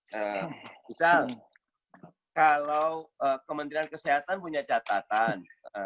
misal kalau kementerian kesehatan punya catatan